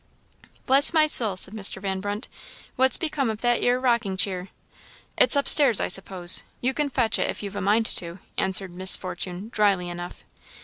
"Bless my soul!" said Mr. Van Brunt, "what's become of that 'ere rocking cheer?" "It's upstairs, I suppose. You can fetch it if you've a mind to," answered Miss Fortune, drily enough.